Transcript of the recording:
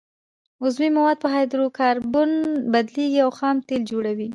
عضوي مواد په هایدرو کاربن بدلیږي او خام تیل جوړوي